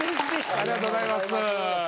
ありがとうございます！